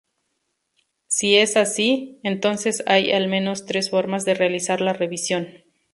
Si es así, entonces hay al menos tres formas de realizar la revisión.